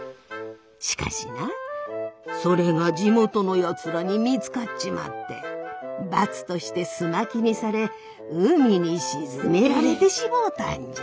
しかしなそれが地元のやつらに見つかっちまって罰としてす巻きにされ海に沈められてしもうたんじゃ。